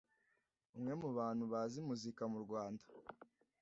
umwe mu bantu bazi muzika mu Rwanda